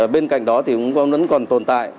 bên cạnh đó thì vẫn còn tồn tại